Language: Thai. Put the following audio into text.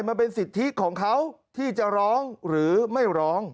มันเป็นสิทธิของเขาที่จะร้องหรือไม่ร้อง